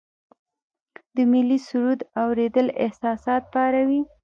د ملي سرود اوریدل احساسات پاروي.